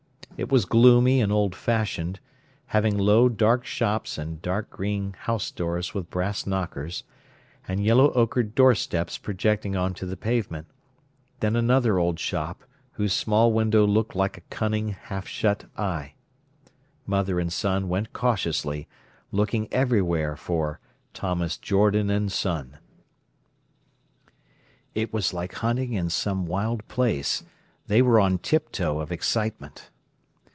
It was gloomy and old fashioned, having low dark shops and dark green house doors with brass knockers, and yellow ochred doorsteps projecting on to the pavement; then another old shop whose small window looked like a cunning, half shut eye. Mother and son went cautiously, looking everywhere for "Thomas Jordan and Son". It was like hunting in some wild place. They were on tiptoe of excitement.